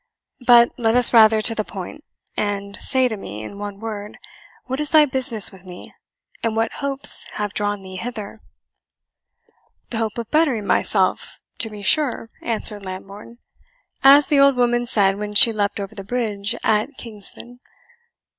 But let us rather to the point, and say to me, in one word, what is thy business with me, and what hopes have drawn thee hither?" "The hope of bettering myself, to be sure," answered Lambourne, "as the old woman said when she leapt over the bridge at Kingston.